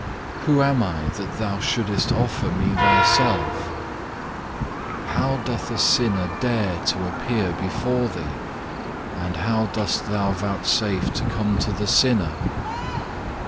Who am I that Thou shouldest offer me Thyself? How doth a sinner dare to appear before Thee? And how dost thou vouchsafe to come to the sinner?